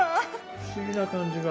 不思議な感じが。